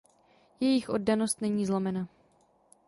Jejich oddanost není zlomena.